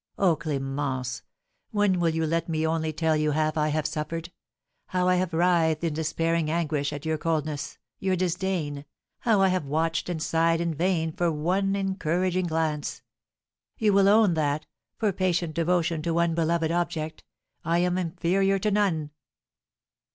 Oh, Clémence, when you will let me only tell you half I have suffered, how I have writhed in despairing anguish at your coldness, your disdain, how I have watched and sighed in vain for one encouraging glance, you will own that, for patient devotion to one beloved object, I am inferior to none.